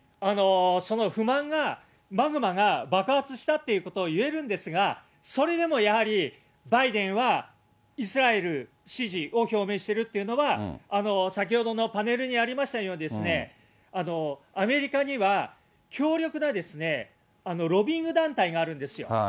その不満が、マグマが爆発したということを言えるんですが、それでもやはりバイデンはイスラエル支持を表明しているというのは、先ほどのパネルにありましたように、アメリカには強力なロビイング団体があるんですよ。